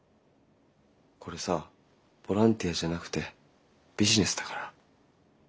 これさボランティアじゃなくてビジネスだから。